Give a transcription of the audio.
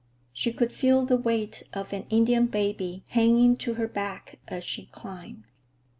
She could feel the weight of an Indian baby hanging to her back as she climbed.